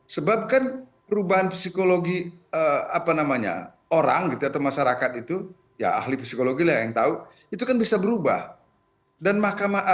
sebab kan perubahan psikologi apa namanya orang gitu atau masyarakat itu ya ahli psikologi lah yang tahu itu kan bisa berubah